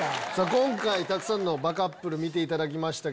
今回たくさんのバカップル見ていただきました。